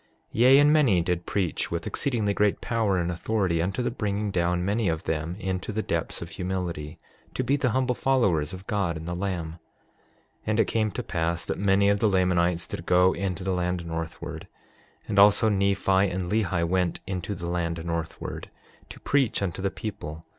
6:5 Yea, and many did preach with exceedingly great power and authority, unto the bringing down many of them into the depths of humility, to be the humble followers of God and the Lamb. 6:6 And it came to pass that many of the Lamanites did go into the land northward; and also Nephi and Lehi went into the land northward, to preach unto the people.